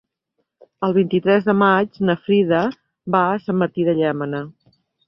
El vint-i-tres de maig na Frida va a Sant Martí de Llémena.